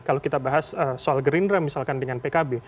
kalau kita bahas soal gerindra misalkan dengan pkb